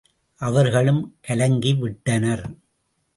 அவர்களும் கலங்கி விட்டனர்.